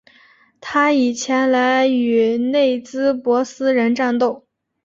他已前来与内兹珀斯人战斗。